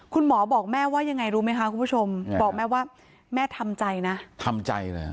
คุณหมอบอกแม่ว่ายังไงรู้ไหมคะคุณผู้ชมบอกแม่ว่าแม่ทำใจนะทำใจเลย